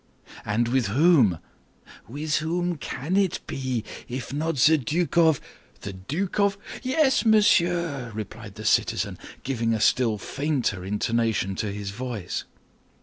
"And with whom?" "With whom can it be, if not the Duke of—" "The Duke of—" "Yes, monsieur," replied the citizen, giving a still fainter intonation to his voice.